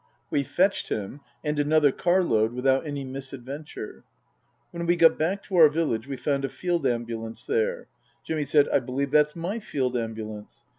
We fetched him and another car load without any misadventure. When we got back to our village we found a Field Ambu lance there. Jimmy said, " I believe that's my Field Ambu lance."